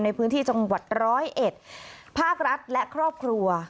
ในพื้นที่จังหวัดร้อยเอ็ดภาครัฐและครอบครัว